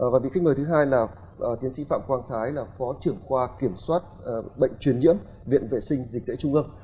và vị khách mời thứ hai là tiến sĩ phạm quang thái là phó trưởng khoa kiểm soát bệnh truyền nhiễm viện vệ sinh dịch tễ trung ương